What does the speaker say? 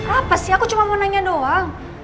apa sih aku cuma mau nanya doang